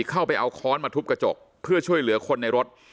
เข้าไปเอาค้อนมาทุบกระจกเพื่อช่วยเหลือคนในรถ